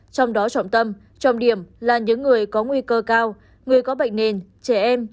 trong đó trọng tâm trọng điểm là những người có nguy cơ cao người có bệnh nền trẻ em